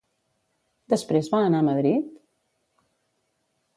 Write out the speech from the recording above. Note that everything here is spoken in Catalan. Després va anar a Madrid?